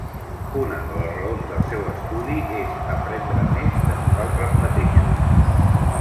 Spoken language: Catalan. Una de les raons del seu estudi és aprendre més de nosaltres mateixos.